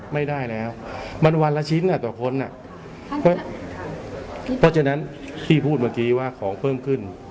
ไม่ได้แล้วมันวันละชิ้นอ่ะต่อคนอ่ะเพราะฉะนั้นที่พูดเมื่อกี้ว่าของเพิ่มขึ้น